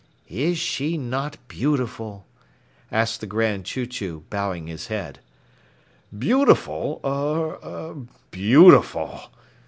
"Is she not beautiful?" asked the Grand Chew Chew, bowing his head. "Beautiful er er, beautiful!"